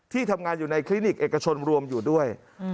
ทำงานอยู่ในคลินิกเอกชนรวมอยู่ด้วย